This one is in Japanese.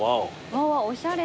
わあおしゃれ。